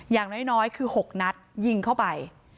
อย่างน้อยคือ๖นัดยิงเข้าไป